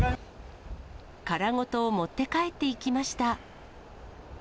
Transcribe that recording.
殻ごと持って帰っていきました。